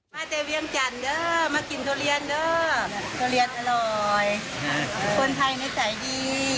มาจากเวียงจันทร์เด้อมากินทุเรียนเด้อทุเรียนอร่อยคนไทยนิสัยดี